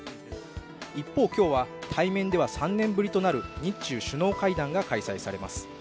一方、今日は対面では３年ぶりとなる日中首脳会談が開催されます。